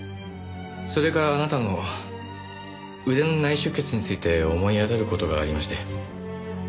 それからあなたの腕の内出血について思い当たる事がありまして。